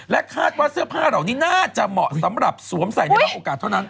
คาดว่าเสื้อผ้าเหล่านี้น่าจะเหมาะสำหรับสวมใส่ได้รับโอกาสเท่านั้น